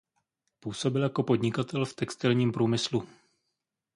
Působil jako podnikatel v textilním průmyslu.